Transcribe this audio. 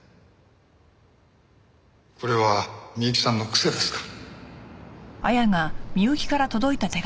これは美雪さんの癖ですか？